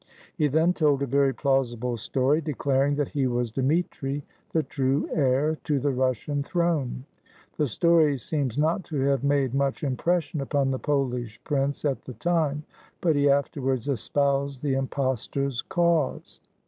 He then told a very plausible story, declaring that he was Dmitri, the true heir to the Russian throne. The story seems not to have made much impression upon the Pol ish prince at the time, but he afterwards espoused the impostor's cause.